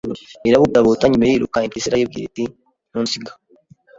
irabutabuta nyuma iriruka Impyisi irayibwira iti ntunsiga,